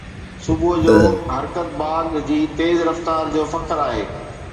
صبح جو حرڪت باغ جي تيز رفتار جو فخر آهي